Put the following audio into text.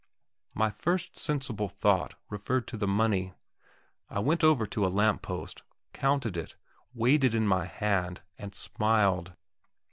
My first sensible thought referred to the money. I went over to a lamp post, counted it, weighed it in my hand, and smiled.